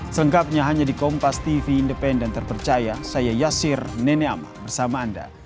selengkapnya hanya di kompas tv independen terpercaya saya yasir neneam bersama anda